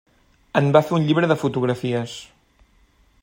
En va fer un llibre de fotografies.